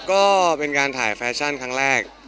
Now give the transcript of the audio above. ก็เป็นการถ่ายแฟชั่นครั้งแรก